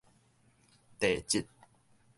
地質